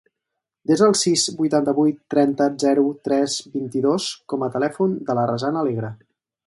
Desa el sis, vuitanta-vuit, trenta, zero, tres, vint-i-dos com a telèfon de la Razan Alegre.